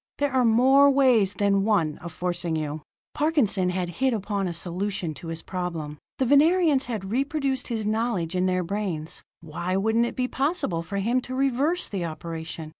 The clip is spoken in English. There are more ways than one of forcing you." Parkinson had hit upon a solution to his problem. The Venerians had reproduced his knowledge in their brains; why wouldn't it be possible for him to reverse the operation?